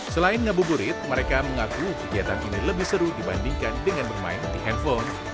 selain ngabuburit mereka mengaku kegiatan ini lebih seru dibandingkan dengan bermain di handphone